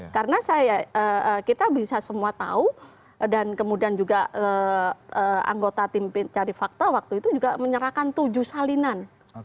karena kita bisa semua tahu dan kemudian juga anggota tim cari fakta waktu itu juga menyerahkan tujuh salinan